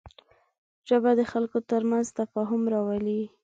ژبه د خلکو تر منځ تفاهم راولي